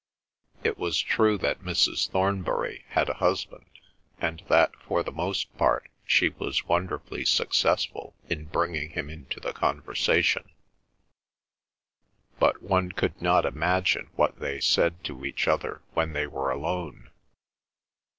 It was true that Mrs. Thornbury had a husband, and that for the most part she was wonderfully successful in bringing him into the conversation, but one could not imagine what they said to each other when they were alone.